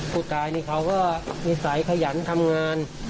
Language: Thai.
ผู้ตายนี่เขาก็นิสัยขยันทำงาน